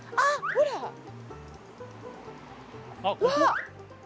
ほらうわ